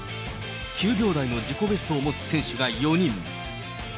９秒台の自己ベストを持つ選手が４人。